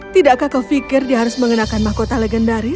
tidakkah kau pikir dia harus mengenakan mahkota legendaris